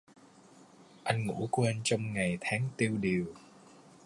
Anh ngủ quên trong ngày tháng tiêu đìu